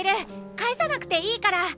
返さなくていいから。